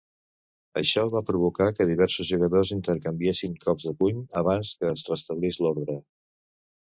Això va provocar que diversos jugadors intercanviessin cops de puny abans que es restablís l'ordre.